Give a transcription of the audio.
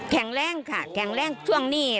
แข็งแรงค่ะแข็งแรงช่วงนี้